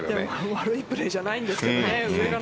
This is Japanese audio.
悪いプレーじゃないんですけどね。